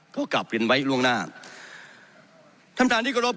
ก็กราบเรียนไว้ล่วงหน้า